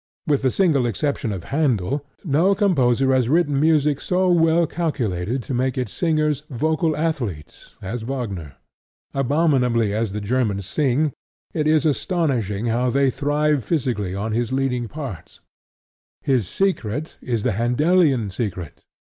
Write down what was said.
With the single exception of Handel, no composer has written music so well calculated to make its singers vocal athletes as Wagner. Abominably as the Germans sing, it is astonishing how they thrive physically on his leading parts. His secret is the Handelian secret.